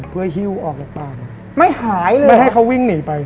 เพื่อหิ้วออกแล้วก็ตาม